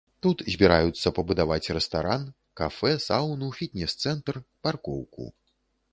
Тут збіраюцца пабудаваць рэстаран, кафэ, саўну, фітнес-цэнтр, паркоўку.